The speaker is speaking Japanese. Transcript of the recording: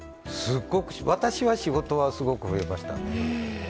私は仕事はすごく増えましたね。